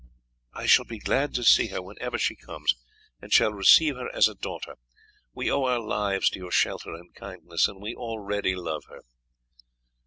"I shall be glad to see her whenever she comes, and shall receive her as a daughter. We owe our lives to your shelter and kindness, and we already love her."